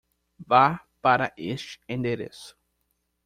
Vá para este endereço.